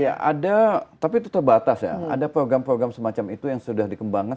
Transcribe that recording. ya ada tapi itu terbatas ya ada program program semacam itu yang sudah dikembangkan